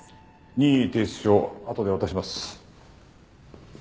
任意提出書をあとで渡します。